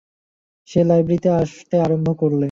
সে লাইব্রেরিতে আসতে আরম্ভ করলে।